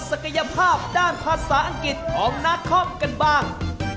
ยภาพด้านภาษาอังกฤษของนาคอมกันบ้าง